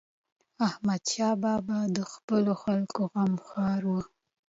احمدشاه بابا د خپلو خلکو غمخور و.